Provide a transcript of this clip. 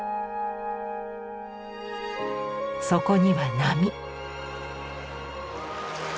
そこには波。